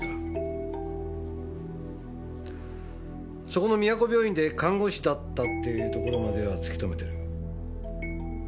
そこの都病院で看護師だったっていうとこまでは突き止めてる。